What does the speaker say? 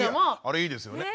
あれいいですよね。